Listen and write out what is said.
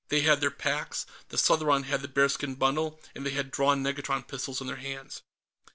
They had their packs, the Southron had the bearskin bundle, and they had drawn negatron pistols in their hands.